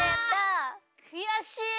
くやしい。